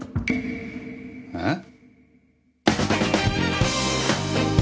えっ？